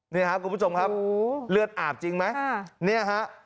นี่ครับคุณผู้ชมครับเลือดอาบจริงไหมเนี่ยฮะ